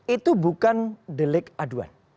itu bukan delik aduan